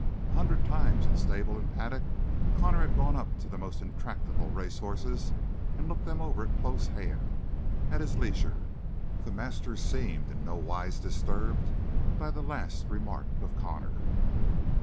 A hundred times, in stable and paddock, Connor had gone up to the most intractable race horses and looked them over at close hand, at his leisure. The master seemed in nowise disturbed by the last remark of Connor.